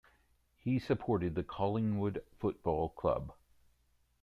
He supported the Collingwood Football Club.